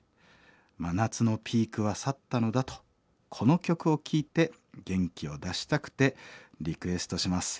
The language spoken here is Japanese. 真夏のピークは去ったのだとこの曲を聴いて元気を出したくてリクエストします」。